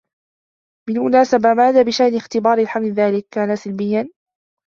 بالمناسبة، ماذا بشأن اختبار الحمل ذلك؟ "كان سلبيّا."